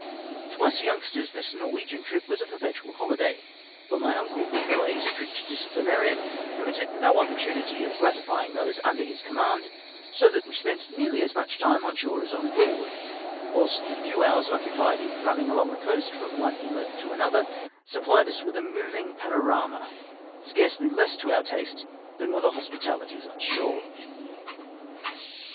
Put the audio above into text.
To us youngsters, tliis Norwegian trip was a perpetual hohday, for my uncle, though a strict disciplinarian, omitted no opportunity of gratifymg those mider liis command, so that we spent nearly as much time on shore as on board ; whilst the few hours occupied in rimning along the coast from one inlet to another sup phed us with a movmg panorama, scarcely less to our taste than were the hospitahties on shore.